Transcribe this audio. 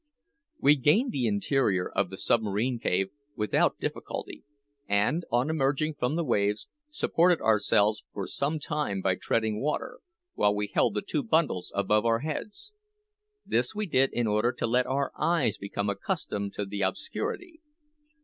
We gained the interior of the submarine cave without difficulty, and on emerging from the waves, supported ourselves for some time by treading water, while we held the two bundles above our heads. This we did in order to let our eyes become accustomed to the obscurity.